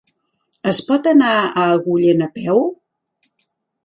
Es pot anar a Agullent a peu?